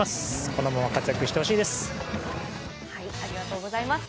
このまま活躍してほしいです。